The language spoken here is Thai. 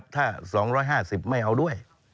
ถ้า๒๕๐ไม่เอาด้วย